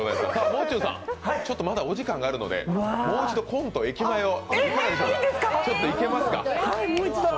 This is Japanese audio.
もう中さん、まだちょっとお時間があるのでもう一度、コント「駅前」を。